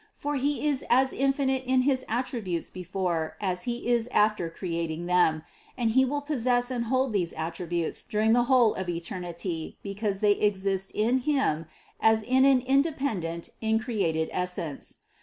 For He is as infinite in his attributes before as He is after creating them, and He will possess and hold these attributes during the whole of eternity, because they ex ist in Him as in an independent increated Essence.